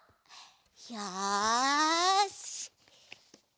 よし！